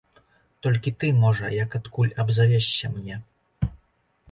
Толькі ты, можа, як адкуль абзавешся мне?